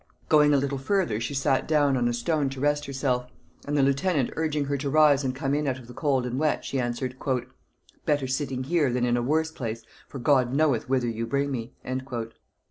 Going a little further, she sat down on a stone to rest herself; and the lieutenant urging her to rise and come in out of the cold and wet, she answered, "Better sitting here than in a worse place, for God knoweth whither you bring me."